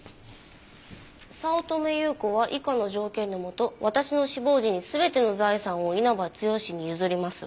「早乙女由子は以下の条件の下私の死亡時に全ての財産を稲葉剛に譲ります」